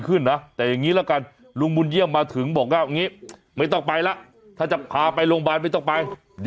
เท่าแก่พาไปโรงพยาบาลหน่อย